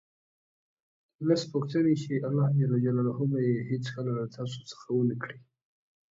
لس پوښتنې چې الله ج به یې هېڅکله له تاسو څخه ونه کړي